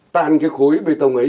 tan cái khối bê tông ấy